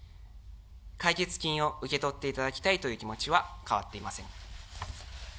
解決金を受け取っていただきたいという気持ちは変わっていません。